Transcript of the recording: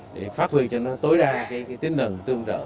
để phát huy cho nó tối đa cái tính nần tương đợi